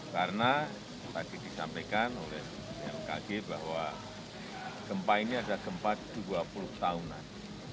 karena tadi disampaikan oleh mkg bahwa gempa ini ada gempa dua puluh tahunan